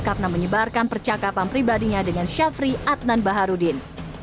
karena menyebarkan percakapan pribadinya dengan syafri adnan baharudin